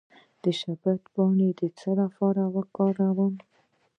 د شبت پاڼې د څه لپاره وکاروم؟